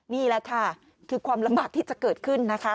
นี่แหละค่ะคือความลำบากที่จะเกิดขึ้นนะคะ